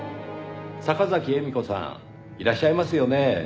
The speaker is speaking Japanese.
坂崎絵美子さんいらっしゃいますよね？